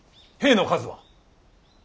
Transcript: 兵の数は。